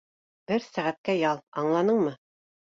Бер сәғәткә ял, аңланыңмы?